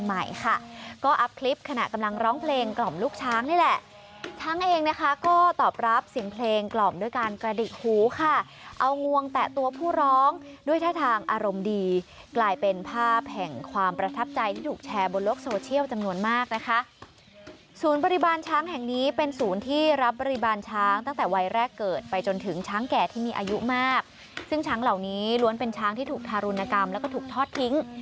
นี่แหละช้างเองนะคะก็ตอบรับเสียงเพลงกล่อมด้วยการกระดิกหูค่ะเอางวงแตะตัวผู้ร้องด้วยท่าทางอารมณ์ดีกลายเป็นภาพแห่งความประทับใจที่ถูกแชร์บนโลกโซเชียลจำนวนมากนะคะศูนย์บริบาลช้างแห่งนี้เป็นศูนย์ที่รับบริบาลช้างตั้งแต่วัยแรกเกิดไปจนถึงช้างแก่ที่มีอายุมากซึ่งช้างเหล่านี้